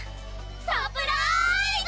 サプラーイズ！